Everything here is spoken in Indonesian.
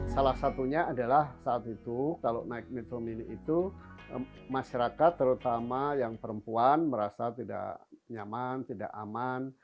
salah satunya adalah saat itu kalau naik metro mini itu masyarakat terutama yang perempuan merasa tidak nyaman tidak aman